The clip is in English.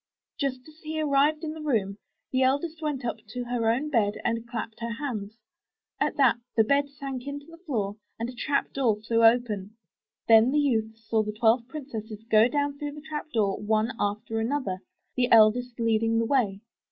Just as he arrived in the room, the eldest went up to her own bed and clapped her hands; at that the bed sank into the floor and a trap door flew open. Then the youth saw the twelve princesses go down through the trap door one after another, the eldest lead ing the way.